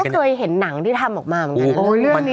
เคยเห็นหนังที่ทำออกมาเหมือนกันนะ